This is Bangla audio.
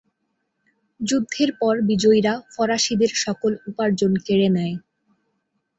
যুদ্ধের পর বিজয়ীরা ফরাসিদের সকল উপার্জন কেড়ে নেয়।